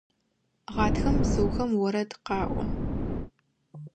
Гъатхэм бзыухэм орэд къаӏо.